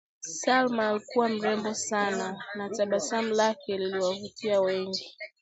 Salma alikuwa mrembo sana na tabasamu lake liliwavutia wengi